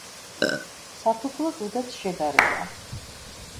საფუძვლად უდევს შედარება.